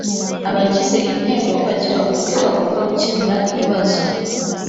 abagize inteko bagira uburyo bagomba gukemura ikibazo